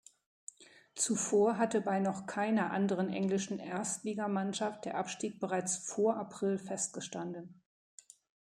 Zuvor hatte bei noch keiner anderen englischen Erstligamannschaft der Abstieg bereits vor April festgestanden.